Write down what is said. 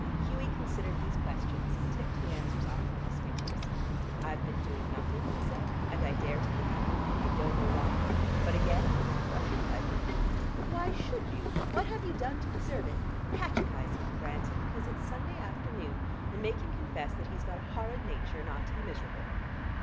Hughie considered these questions, and ticked the answers off on his fingers. "I've been doing nothing," he said, "and I dare to be happy. I don't know why. But again, why shouldn't I be?" "But why should you? What have you done to deserve it? Catechise him, Grantie, because it's Sunday afternoon, and make him confess that he's got a horrid nature, and ought to be miserable."